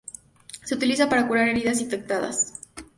Se utiliza para curar heridas infectadas.